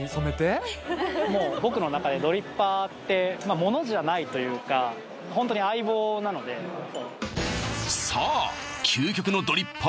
もう僕の中でドリッパーって物じゃないというかホントに相棒なのでさあ